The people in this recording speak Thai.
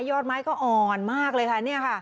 อดไม้ก็อ่อนมากเลยค่ะเนี่ยค่ะ